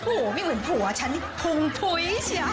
โอ้โฮไม่เหมือนผัวฉันเผงพุยใช่ไหม